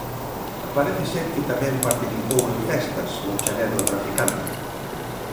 Parece ser que tamén participou en festas no chalé do traficante.